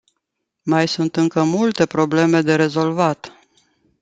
Mai sunt încă multe probleme de rezolvat.